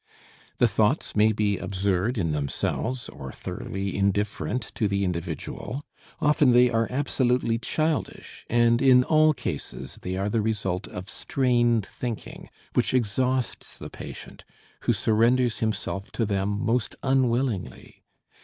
The thoughts may be absurd in themselves or thoroughly indifferent to the individual, often they are absolutely childish and in all cases they are the result of strained thinking, which exhausts the patient, who surrenders himself to them most unwillingly.